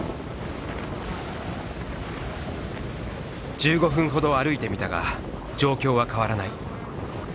１５分ほど歩いてみたが状況は変わらない。